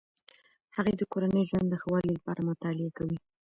هغې د کورني ژوند د ښه والي لپاره مطالعه کوي.